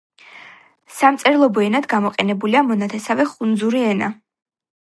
სამწერლობო ენად გამოყენებულია მონათესავე ხუნძური ენა.